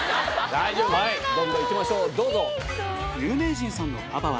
どんどん行きましょうどうぞ。